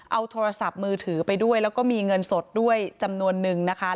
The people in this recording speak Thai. เอาโทรศัพท์มือถือไปด้วยแล้วก็มีเงินสดด้วยจำนวนนึงนะคะ